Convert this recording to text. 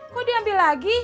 kok diambil lagi